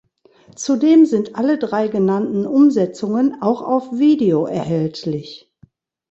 Zudem sind alle drei genannten Umsetzungen auch auf Video erhältlich.